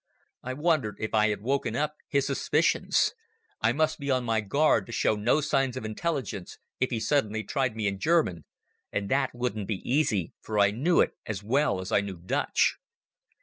I wondered if I had woken up his suspicions. I must be on my guard to show no signs of intelligence if he suddenly tried me in German, and that wouldn't be easy, for I knew it as well as I knew Dutch.